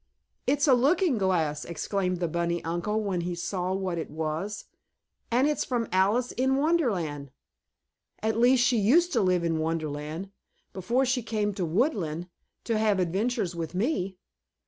"It's a looking glass!" exclaimed the bunny uncle when he saw what it was. "And it's from Alice in Wonderland at least she used to live in Wonderland before she came to Woodland to have adventures with me."